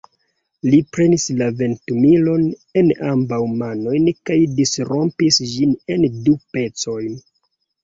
Li prenis la ventumilon en ambaŭ manojn kaj disrompis ĝin en du pecojn.